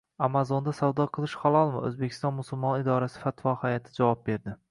Amazon’da savdo qilish halolmi? O‘zbekiston musulmonlari idorasi Fatvo hay’ati javob berdi